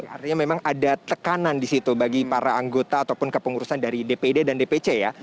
artinya memang ada tekanan di situ bagi para anggota ataupun kepengurusan dari dpd dan dpc ya